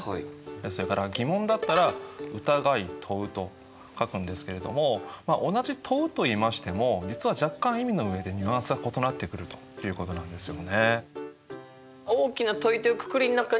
それから疑問だったら疑い問うと書くんですけれども同じ問うといいましても実は若干意味の上でニュアンスが異なってくるということなんですよね。